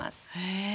へえ。